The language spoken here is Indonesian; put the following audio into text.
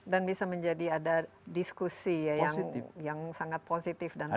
dan bisa menjadi ada diskusi ya yang sangat positif dan terbuka